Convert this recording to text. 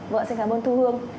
vâng xin cảm ơn thu hương